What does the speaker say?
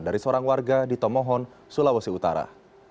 dari seorang warga di tomohon sulawesi utara